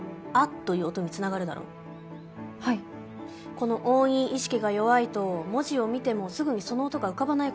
この音韻意識が弱いと文字を見てもすぐにその音が浮かばない事がある。